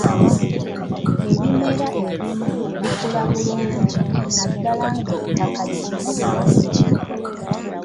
Ebimera ebimu bikula bulungi naddala ng'ettaka ggimu bulungi.